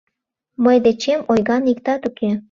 Мый дечем ойган иктат уке.